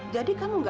jadi kamu gak percaya